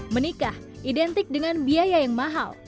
menikah identik dengan biaya yang mahal